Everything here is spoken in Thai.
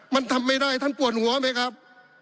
มันทำไม่ได้ท่านปวดหัวไหมครับ